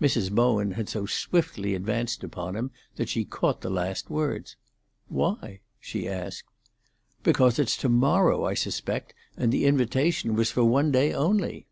Mrs. Bowen had so swiftly advanced upon him that she caught the last words. "Why?" she asked. "Because it's to morrow, I suspect, and the invitation was for one day only."